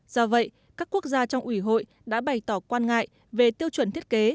do vậy các quốc gia trong ủy hội đã bày tỏ quan ngại về tiêu chuẩn thiết kế